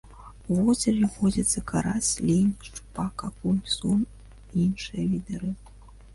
У возеры водзяцца карась, лінь, шчупак, акунь, сом і іншыя віды рыб.